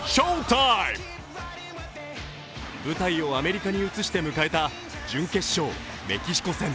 舞台をアメリカに移して迎えた準決勝・メキシコ戦。